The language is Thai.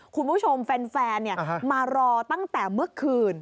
คุณผู้ชมแฟนมารอตั้งแต่เมื่อคืน